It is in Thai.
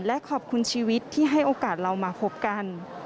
และขอบคุณชีวิตที่ให้โอกาสเรามาพบกัน